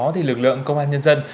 thì lực lượng công an nhân dân